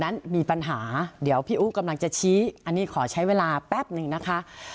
นั้นมีปัญหาเดี๋ยวพี่อู๋กำลังจะชี้อันนี้ขอใช้เวลาแป๊บหนึ่งนะคะ